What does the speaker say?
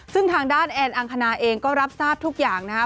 ซึ่งทางด้านแอนอังคณาเองก็รับทราบทุกอย่างนะครับ